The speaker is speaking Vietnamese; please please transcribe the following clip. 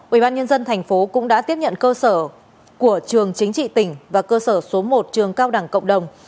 ubnd tp cũng đã tiếp nhận cơ sở của trường chính trị tỉnh và cơ sở số một trường cao đẳng cộng đồng